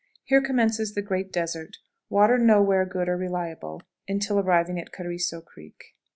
Here commences the great desert; water nowhere good or reliable until arriving at Carizo Creek.